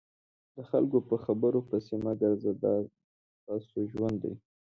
د خلکو په خبرو پسې مه ګرځه دا ستاسو ژوند دی.